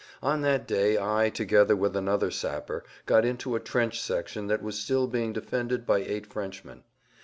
On that day I, together with another sapper, got into a trench section that was still being defended by eight Frenchmen.